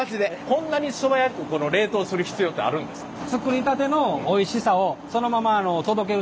こんなに素早くこの冷凍する必要ってあるんですか？